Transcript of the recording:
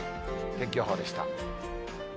天気予報でした。